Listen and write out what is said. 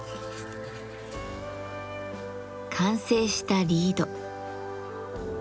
完成したリード。